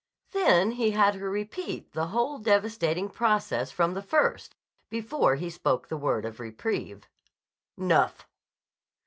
Then he had her repeat the whole devastating process from the first before he spoke the word of reprieve. "Nuff!"